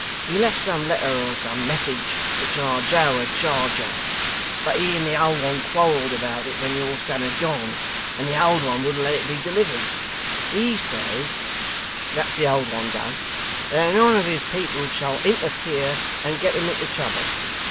He left some letter or some message which our Joe had charge of, but he and the old one quarrelled about it when your son had gone, and the old one wouldn't let it be delivered. He says (that's the old one does) that none of his people shall interfere and get him into trouble.